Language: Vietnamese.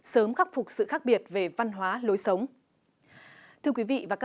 sớm khắc phục sự khác biệt về văn hóa lối sống